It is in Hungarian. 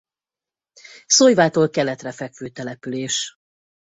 Szolyvától keletre fekvő település.